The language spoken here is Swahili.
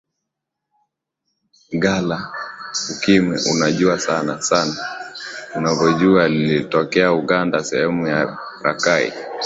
ga la ukimwi unajua sana sana tunavyojua lilitokea uganda sehemu za rakai